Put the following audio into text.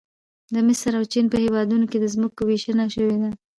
د مصر او چین په هېوادونو کې د ځمکو ویشنه شوې ده